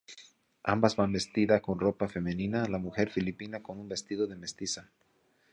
Ambas van vestida con ropa femenina, la mujer filipina con un "vestido de mestiza".